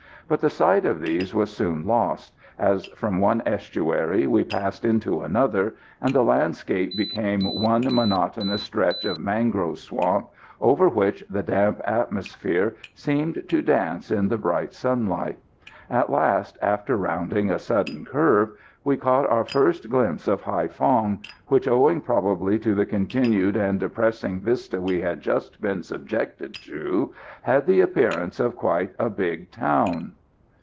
But the sight of these was soon lost, as from one estuary we passed into another, and the landscape became one monotonous stretch of mangrove swamp over which the damp atmosphere seemed to dance in the bright sunlight. At last, after rounding a sudden curve, we caught our first glimpse of Haïphong, which, owing probably to the continued and depressing vista we had just been subjected to, had the appearance of quite a big town.